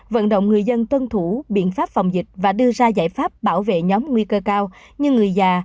vận động người dân tuân thủ biện pháp phòng dịch và đưa ra giải pháp bảo vệ nhóm nguy cơ cao như người già